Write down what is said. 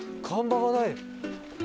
看板がない。